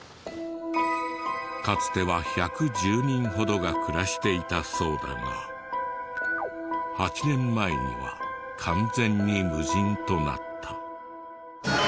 かつては１１０人ほどが暮らしていたそうだが８年前には完全に無人となった。